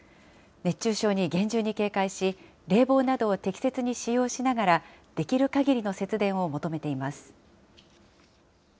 熱中症に厳重に警戒し、冷房などを適切に使用しながら、できるかぎりの節電を求めています。